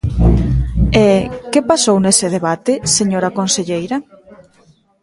E ¿que pasou nese debate, señora conselleira?